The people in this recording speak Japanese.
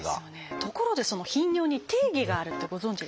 ところでその「頻尿」に定義があるってご存じですか？